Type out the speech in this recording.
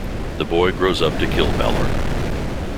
The boy grows up to kill Balor.